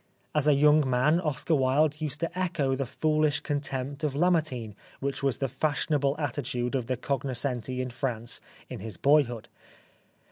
As a young man Oscar Wilde used to echo the foolish contempt of Lamartine which was the fashionable attitude of the cognoscenti in France in his boyhood.